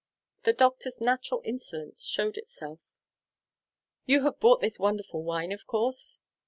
The doctor's natural insolence showed itself. "You have bought this wonderful wine, of course?"